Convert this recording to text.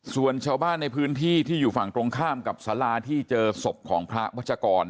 ส่วนชาวบ้านในพื้นที่ที่อยู่ฝั่งตรงข้ามกับสาราที่เจอศพของพระวัชกร